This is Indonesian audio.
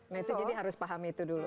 nah itu jadi harus paham itu dulu